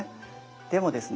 でもですね